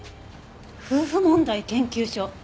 夫婦問題研究所。